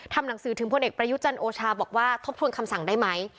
หนังสือถึงพลเอกประยุจันทร์โอชาบอกว่าทบทวนคำสั่งได้ไหม